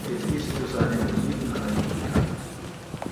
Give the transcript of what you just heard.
Es ist für seine Olivenhaine bekannt.